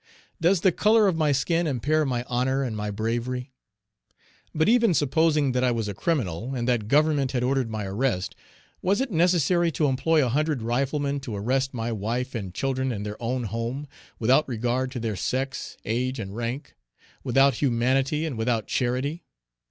Does the color of my skin impair my honor and my bravery? But even supposing that I was a criminal, and that Government had ordered my arrest, was it necessary to employ a hundred riflemen to arrest my wife and children in their own home, without regard to their sex, age, and rank; without humanity and without charity?